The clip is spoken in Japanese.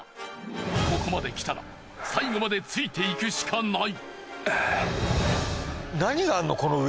ここまできたら最後までついていくしかない。